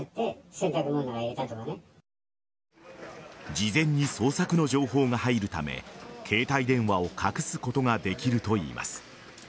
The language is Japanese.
事前に捜索の情報が入るため携帯電話を隠すことができるといいます。